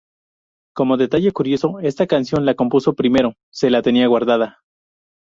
Como detalle curioso esta canción la compuso primero, se la tenía guardada.